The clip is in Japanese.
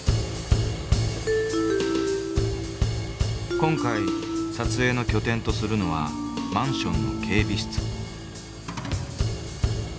今回撮影の拠点とするのはマンションの警備室。